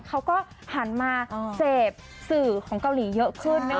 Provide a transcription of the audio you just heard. ทำลายของเสิบสื่อของเกาหลีเยอะขึ้น